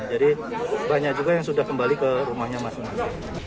jadi banyak juga yang sudah kembali ke rumahnya masing masing